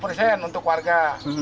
lima puluh persen untuk warga